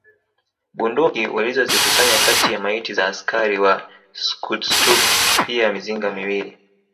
Bunduki walizozikusanya kati ya maiti za askari wa Schutztruppe pia mizinga miwili